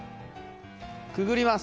くぐります。